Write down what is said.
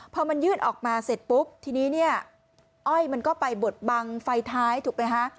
พอมันยื่นออกมาเสร็จปุ๊บทีนี้เนี่ยอ้อยมันก็ไปบดบังไฟท้ายถูกไหมคะ